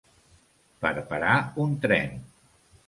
Per parar un tren.